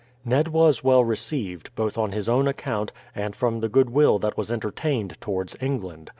Ned was well received, both on his own account and from the goodwill that was entertained towards England.